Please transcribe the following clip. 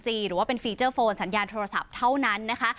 หรือว่าเป็นฟีเจอร์โฟนสัญญาณโทรศัพท์เท่านั้นนะคะ